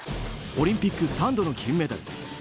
オリンピック３度の金メダル